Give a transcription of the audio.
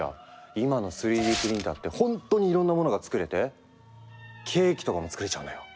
今の３Ｄプリンターって本当にいろんなモノが作れてケーキとかも作れちゃうのよ。